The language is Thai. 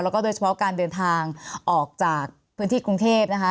แล้วก็โดยเฉพาะการเดินทางออกจากพื้นที่กรุงเทพนะคะ